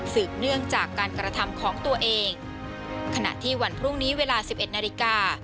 เนื่องจากการกระทำของตัวเองขณะที่วันพรุ่งนี้เวลาสิบเอ็ดนาฬิกา